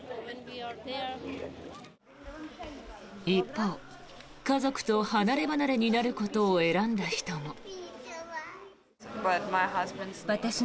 一方、家族と離ればなれになることを選んだ人も。